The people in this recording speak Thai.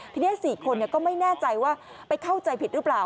ทีนี้๔คนก็ไม่แน่ใจว่าไปเข้าใจผิดหรือเปล่า